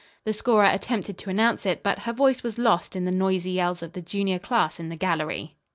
The scorer attempted to announce it, but her voice was lost in the noisy yells of the junior class in the gallery.